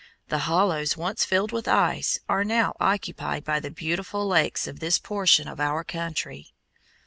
The hollows once filled with ice are now occupied by the beautiful lakes of this portion of our country.